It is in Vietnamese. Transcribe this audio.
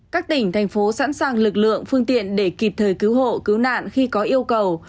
các tỉnh thành phố sẵn sàng lực lượng phương tiện để kịp thời cứu hộ cứu nạn khi có yêu cầu